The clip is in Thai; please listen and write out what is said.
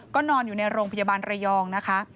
ก็นอนอยู่ในโรงพยาบาลระยองนะคะ